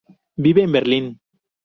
Vive en Berlín.